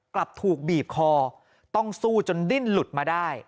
กลับถูกบีบคอต้องสู้จนดิ้นหลุดมาได้